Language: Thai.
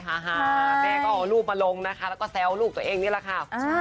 ฮาแล้วก็เอารูปลงนะคะแล้วก็แซวลูกตัวเองนิดนึงค่ะ